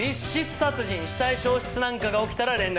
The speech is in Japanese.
殺人死体消失なんかが起きたら連絡を。